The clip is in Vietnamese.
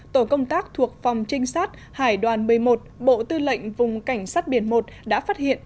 tổ công tác thuộc phòng trinh sát hải đoàn một mươi một bộ tư lệnh vùng cảnh sát biển một đã phát hiện